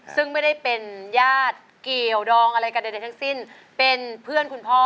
ซึ่งไม่ได้เป็นญาติเกี่ยวดองอะไรกันใดทั้งสิ้นเป็นเพื่อนคุณพ่อ